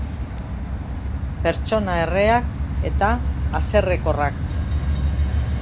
Pertsona erreak eta haserrekorrak.